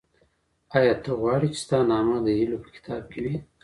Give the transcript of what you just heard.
ایا ته غواړې چي ستا نامه د هیلو په کتاب کي وي؟